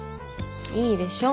いいでしょ